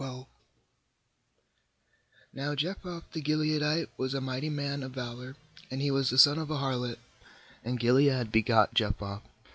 •j ~j Now Jephthah the Gileadite was a mighty man of valour, and he was the son of a harlot; and Gilead begot Jephthah.